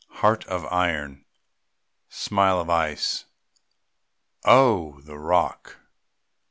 Heart of iron, smile of ice, Oh! the rock.